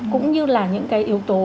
cũng như là những cái yếu tố